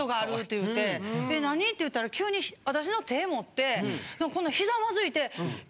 言うて「何？」って言うたら急に私の手持ってひざまずいて。